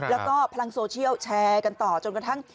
แล้วก็พลังโซเชียลแชร์กันต่อจนกระทั่ง